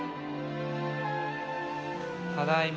・ただいま。